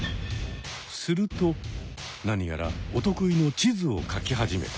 するとなにやらお得意の地図をかき始めた。